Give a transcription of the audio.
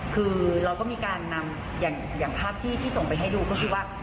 คือเราก็มีการนำอย่างภาพที่ส่งไปให้ดูก็คือว่า